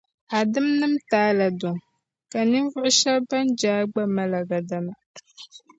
a dimnim’ taala duŋ, ka ninvuɣ’ shɛb’ bɛn je a gba mali a gadama.